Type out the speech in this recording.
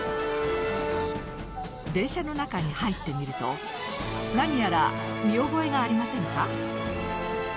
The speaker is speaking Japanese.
電車の中に入ってみると何やら見覚えがありませんか？